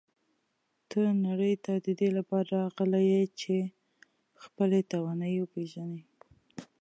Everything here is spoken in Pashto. ته نړۍ ته د دې لپاره راغلی یې چې خپلې توانایی وپېژنې.